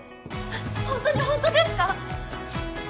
本当に本当ですか？